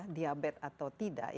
diabetes atau tidak